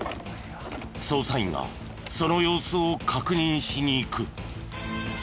捜査員がその様子を確認しに行く。